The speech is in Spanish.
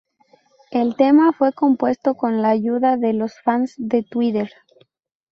El tema fue compuesto con la ayuda de los fans de Twitter.